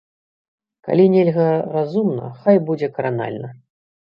Калі нельга разумна, хай будзе кранальна.